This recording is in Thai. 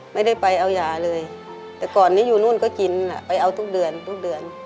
ไม่ได้ไปเอายาเลยแต่ก่อนนี้อยู่นู่นก็กินไปเอาทุกเดือนทุกเดือน